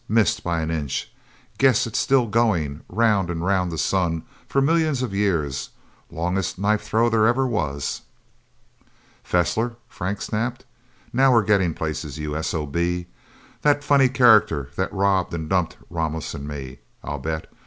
Missed by an inch. Guess it's still going round and round the sun, for millions of years. Longest knife throw there ever was." "Fessler!" Frank snapped. "Now we're getting places, you S.O.B.! The funny character that robbed and dumped Ramos and me, I'll bet.